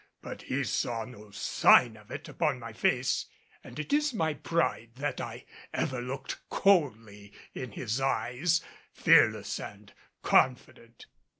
But he saw no sign of it, upon my face and it is my pride that I ever looked coldly in his eyes, fearless and confident.